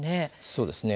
そうですね。